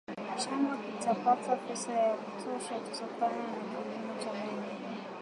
Chama kitapata pesa za kutosha kutokana na kilimo cha bangi